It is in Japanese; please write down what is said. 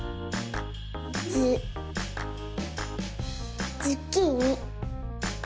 ズズッキーニ。